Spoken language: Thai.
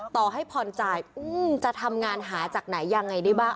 ต่อให้ผ่อนจ่ายจะทำงานหาจากไหนยังไงได้บ้าง